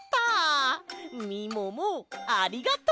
みももありがとう。